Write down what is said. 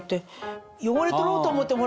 汚れ取ろうと思ってもほら。